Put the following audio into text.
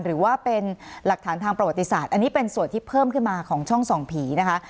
หรือว่าเป็นหลักฐานทางประวัติศาสตร์อันนี้เป็นส่วนที่เพิ่มขึ้นมาของช่องส่องผีนะคะ